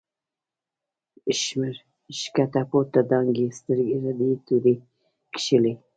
” شمر” ښکته پورته دانگی، سترگی رډی توره کښلی